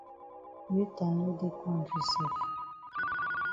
Rita no dey kontri sef.